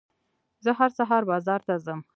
زه هر سهار بازار ته ځم.